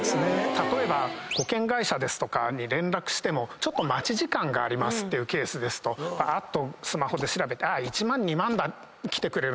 例えば保険会社ですとかに連絡してもちょっと待ち時間がありますっていうケースですとスマホで調べて。